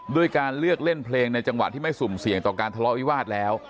ด้วยการเลือกเล่นเพลงในจังหวะที่ไม่สุ่มเสี่ยงต่อการทะเลาะวิวาสแล้ว